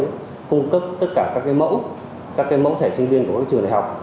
để cung cấp tất cả các cái mẫu các cái mẫu thẻ sinh viên của các trường đại học